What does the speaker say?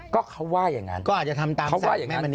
ก็เขาว่าอย่างงั้นก็อาจจะทำตามสัตว์แม่มณี